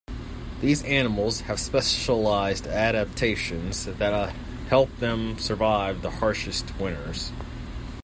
These animals have specialized adaptations that help them survive the harshest winters.